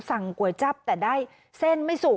ก๋วยจับแต่ได้เส้นไม่สุก